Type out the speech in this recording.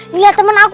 lihat temen aku